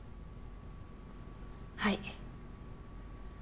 はい。